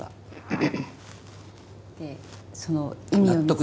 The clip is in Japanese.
でその意味を。